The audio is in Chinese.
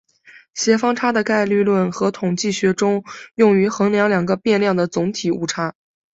协方差在概率论和统计学中用于衡量两个变量的总体误差。